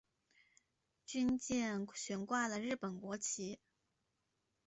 军舰悬挂了日本国旗。